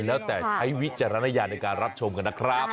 แล้วแต่ใช้วิจารณญาณในการรับชมกันนะครับ